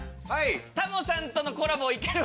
タモさんとのコラボいける？